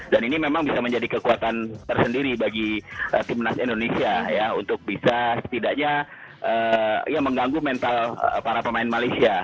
dan ini memang bisa menjadi kekuatan tersendiri bagi timnas indonesia ya untuk bisa setidaknya ya mengganggu mental para pemain malaysia